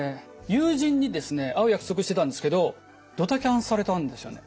友人にですね会う約束してたんですけどドタキャンされたんですよね。